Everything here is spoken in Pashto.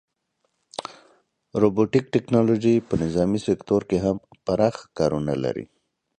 روبوټیک ټیکنالوژي په نظامي سکتور کې هم پراخه کارونه لري.